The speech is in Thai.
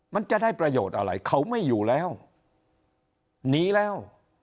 มันจะได้ประโยชน์อะไรเขาไม่อยู่แล้วหนีแล้ว